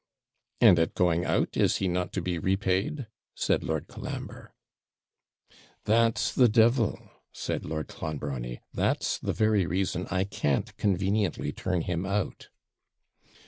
'And at going out is he not to be repaid?' said Lord Colambre. 'That's the devil!' said Lord Clonbrony; that's the very reason I can't conveniently turn him out.'